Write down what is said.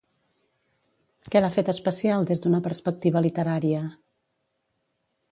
Què l'ha fet especial des d'una perspectiva literària?